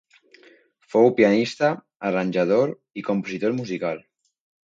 Fou pianista, arranjador i compositor musical.